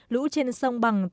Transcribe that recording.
lũ trên sông bằng